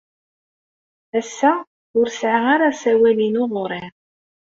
Ass-a, ur sɛiɣ ara asawal-inu ɣer-i.